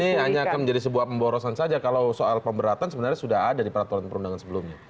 ini hanya akan menjadi sebuah pemborosan saja kalau soal pemberatan sebenarnya sudah ada di peraturan perundangan sebelumnya